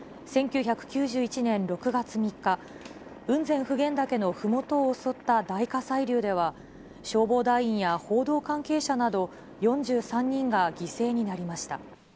１９９１年６月３日、雲仙普賢岳のふもとを襲った大火砕流では、消防団員や報道関係者など、４３人が犠牲になりました。